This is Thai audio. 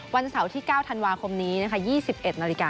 วันเสาร์ที่๙ธันวาคมนี้นะคะ